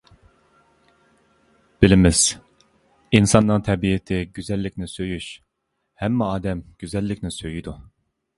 بىلىمىز، ئىنساننىڭ تەبىئىتى گۈزەللىكنى سۆيۈش، ھەممە ئادەم گۈزەللىكنى سۆيىدۇ.